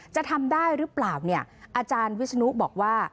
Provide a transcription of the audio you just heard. จะทำได้หรือเปล่าเนี่ยอาจารย์วิศนุบอกว่า